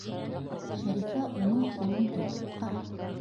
Шәрифә уның ҡулын тотоп ҡарап: